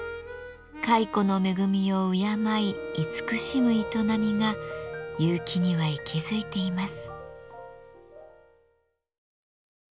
蚕の恵みを敬い慈しむ営みが結城には息づいています。